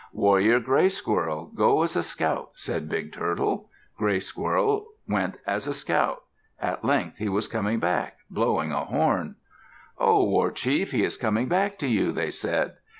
"Warrior Gray Squirrel, go as a scout," said Big Turtle. Gray Squirrel went as a scout. At length he was coming back, blowing a horn. "Ho, war chief, he is coming back to you," they said.